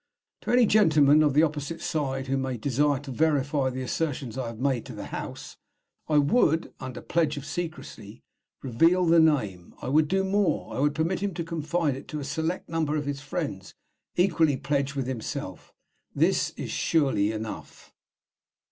To any gentleman of the opposite side who may desire to verify the assertions I have made to the House, I would, under pledge of secrecy, reveal the name. I would do more; I would permit him to confide it to a select number of friends equally pledged with himself. This is surely enough?'"